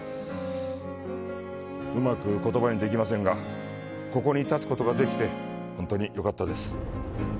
うまく言葉にできませんが、ここに立つことができてよかったです。